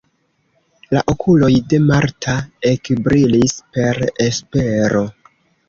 La okuloj de Marta ekbrilis per espero.